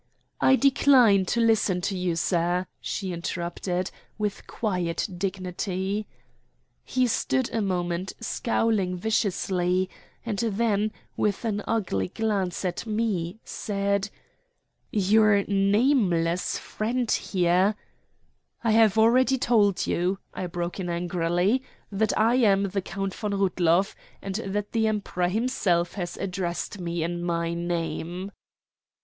"I decline to listen to you, sir," she interrupted, with quiet dignity. He stood a moment, scowling viciously, and then, with an ugly glance at me, said: "Your nameless friend there " "I have already told you," I broke in angrily, "that I am the Count von Rudloff, and that the Emperor himself has addressed me in my name."